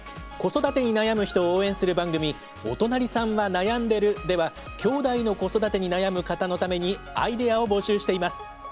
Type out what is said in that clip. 子育てに悩む人を応援する番組「おとなりさんはなやんでる。」ではきょうだいの子育てに悩む方のためにアイデアを募集しています。